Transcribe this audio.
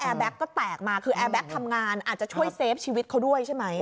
แบ็คก็แตกมาคือแอร์แก๊กทำงานอาจจะช่วยเซฟชีวิตเขาด้วยใช่ไหม